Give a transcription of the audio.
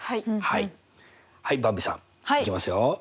はいばんびさんいきますよ！